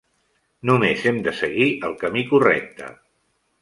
Només hem de seguir el camí correcte.